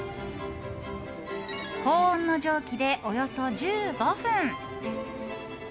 高温の蒸気でおよそ１５分。